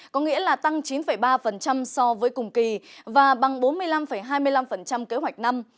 có nghĩa là tăng chín ba so với cùng kỳ và bằng bốn mươi năm hai mươi năm kế hoạch năm